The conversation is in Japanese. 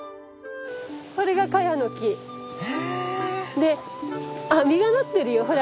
これがカヤの木。で実がなってるよほら。